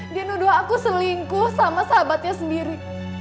dia nuduh aku selingkuh sama sahabatnya sendiri